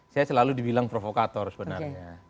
saya selalu dibilang provokator sebenarnya